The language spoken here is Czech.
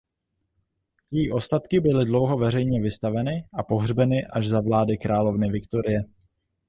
Její ostatky byly dlouho veřejně vystaveny a pohřbeny až za vlády královny Viktorie.